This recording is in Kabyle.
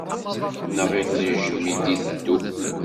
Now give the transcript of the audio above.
Neɣ iṭij mi i d-iteddu.